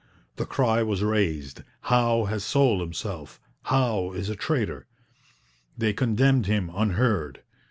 The cry was raised, Howe has sold himself; Howe is a traitor. They condemned him unheard.